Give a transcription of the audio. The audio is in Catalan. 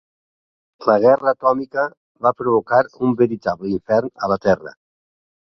La guerra atòmica va a provocar un veritable infern a la terra.